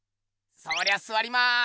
そりゃすわります。